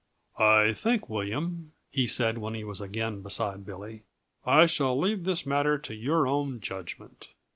"I think, William," he said, when he was again beside Billy, "I shall leave this matter to your own judgment.